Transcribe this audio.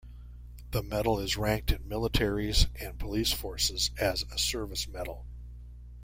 The medal is ranked in militaries and police forces as a service medal.